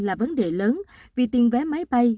là vấn đề lớn vì tiền vé máy bay